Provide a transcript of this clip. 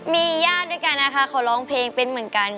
มีญาติด้วยกันนะคะเขาร้องเพลงเป็นเหมือนกัน